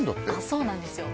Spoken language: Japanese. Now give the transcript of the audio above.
そうなんですよ